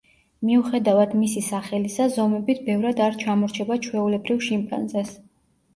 მიუხედავად მისი სახელისა ზომებით ბევრად არ ჩამორჩება ჩვეულებრივ შიმპანზეს.